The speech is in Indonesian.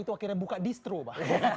itu akhirnya buka distro bahkan